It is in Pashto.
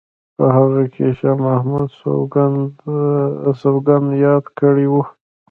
په هغه کې شاه محمد سوګند یاد کړی وو.